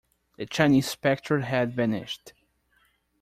The Chinese spectre had vanished.